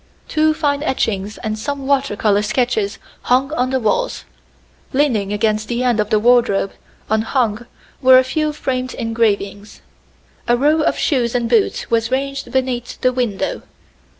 Two fine etchings and some water color sketches hung on the walls; leaning against the end of the wardrobe, unhung, were a few framed engravings. A row of shoes and boots was ranged beneath the window.